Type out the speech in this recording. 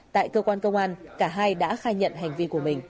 tại cơ quan công an cả hai đã khai nhận hành vi của mình